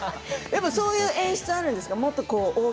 そういう演出もあるんですか？